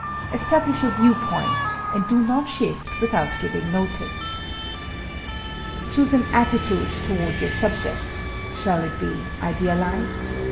Establish a view point, and do not shift without giving notice. Choose an attitude toward your subject shall it be idealized?